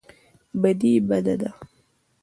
بدي بده ده.